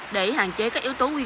để hạn chế các yếu tố nguy cơ